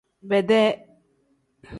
Bedee.